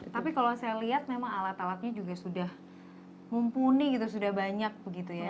tapi kalau saya lihat memang alat alatnya juga sudah mumpuni gitu sudah banyak begitu ya